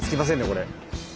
これ。